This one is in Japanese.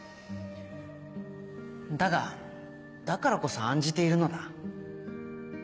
だがだからこそ案じているのだ。